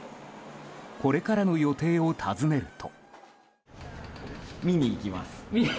これからの予定を尋ねると。